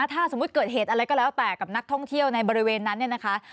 ถ้าสมมุติเกิดเหตุอะไรก็แล้วแต่กับนักท่องเที่ยวในบริเวณนั้นเนี่ยนะคะ